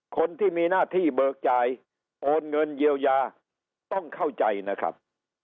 คนที่มีหน้าที่เบิกจ่ายโอนเงินเยียวยาต้องเข้าใจนะครับ